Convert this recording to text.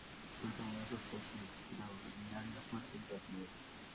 Fue famoso por su extraordinaria fuerza y rapidez.